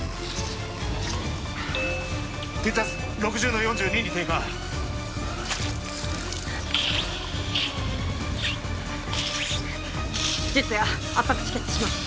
血圧６０の４２に低下術野圧迫止血します